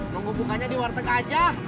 mau bukanya di warteg aja